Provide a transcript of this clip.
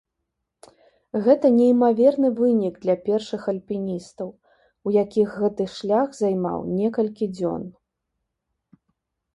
Гэта неймаверны вынік для першых альпіністаў, у якіх гэты шлях займаў некалькі дзён.